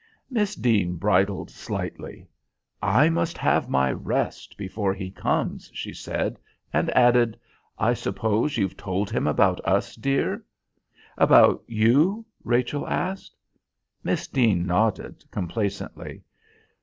Miss Deane bridled slightly. "I must have my rest before he comes," she said, and added: "I suppose you've told him about us, dear?" "About you?" Rachel asked. Miss Deane nodded, complacently.